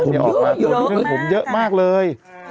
มีห้มของผมเยอะมากเลย